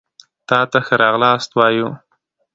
تاته ښه راغلاست وايو